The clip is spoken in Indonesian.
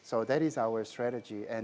jadi itu adalah strategi kami